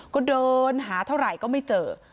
ก็เดินหาเท่าไหร่ก็ไม่เจอ